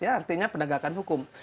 artinya penegakan hukum